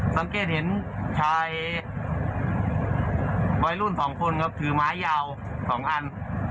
สังเกตเห็นชายวัยรุ่น๒คนครับถือไม้ยาว๒อัน